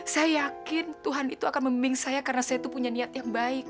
saya yakin tuhan itu akan membimbing saya karena saya itu punya niat yang baik